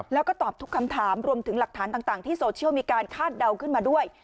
แล้วก็ตอบทุกคำถามรวมถึงหลักฐานต่างที่โซเชียลมีการคาดเดาขึ้นมาด้วย